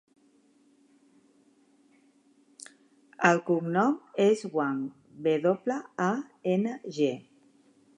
El cognom és Wang: ve doble, a, ena, ge.